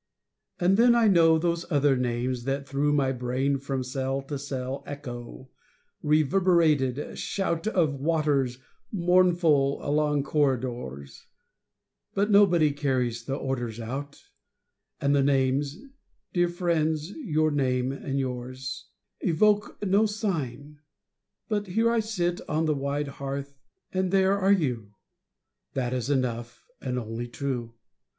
And then I know those other names That through my brain from cell to cell Echo reverberated shout Of waiters mournful along corridors: But nobody carries the orders out, And the names (dear friends, your name and yours) Evoke no sign. But here I sit On the wide hearth, and there are you: That is enough and only true.